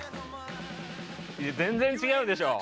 全然違うでしょ。